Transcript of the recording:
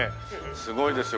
すごいですよ